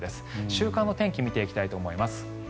週間の天気を見ていきたいと思います。